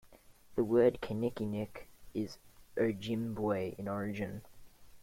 The word kinnickinnic is Ojibwe in origin.